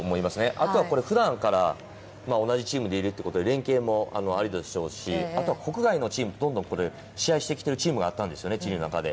あとはこれ、ふだんから同じチームでいるっていうことで連係もあるでしょうし、あと国外のチーム、どんどん試合してきてるチームがあったんですよね、チームの中で。